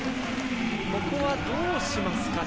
ここは、どうしますかね。